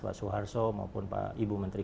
pak soeharto maupun pak ibu menteri